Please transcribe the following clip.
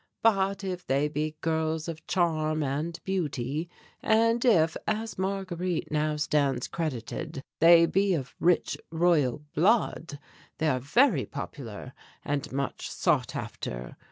But if they be girls of charm and beauty, and if, as Marguerite now stands credited, they be of rich Royal blood, they are very popular and much sought after.